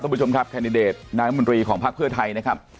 ท่านผู้ชมครับแคนนิเดร์ดนายมดรีของภาคเพื่อไทยนะครับ